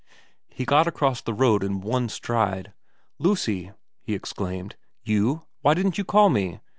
He got across the road in one stride. ' Lucy !' he exclaimed. ' You ? Why didn't you call me